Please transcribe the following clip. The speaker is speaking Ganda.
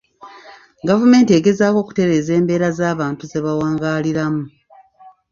Gavumenti egezaako okutereeza embeera z'abantu ze bawangaaliramu.